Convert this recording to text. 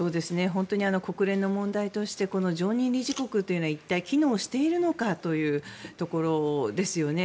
本当に国連の問題としてこの常任理事国というのは一体、機能しているのかというところですよね。